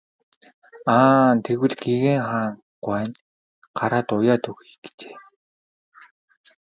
Аа тэгвэл гэгээн хаан гуай нь гараад уяад өгье гэжээ.